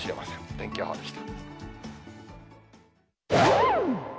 天気予報でした。